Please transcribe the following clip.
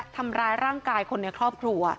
ทำร้ายภรรยา